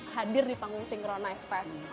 hadir di panggung synchronize